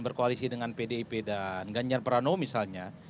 berkoalisi dengan pdip dan ganjar pranowo misalnya